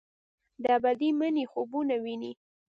د ابدي مني خوبونه ویني